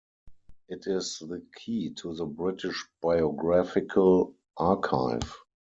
It is the key to the British Biographical Archive.